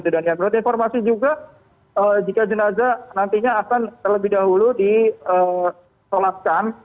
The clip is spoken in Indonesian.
dan berada informasi juga jika jenazah nantinya akan terlebih dahulu disolatkan